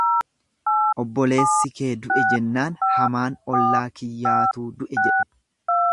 Obboleessi kee du'e jennaan hamaan ollaa kiyyaatuu du'e jedhe.